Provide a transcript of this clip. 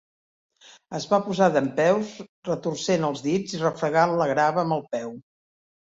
Es va posar dempeus retorcent els dits i refregant la grava amb el peu.